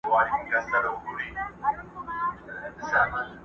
نه بڼو یمه ویشتلی، نه د زلفو زولانه یم٫